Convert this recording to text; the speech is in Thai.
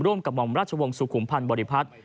กับหม่อมราชวงศ์สุขุมพันธ์บริพัฒน์